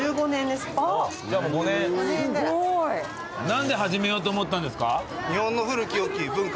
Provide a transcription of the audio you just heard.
すごい。何で始めようと思ったんですか？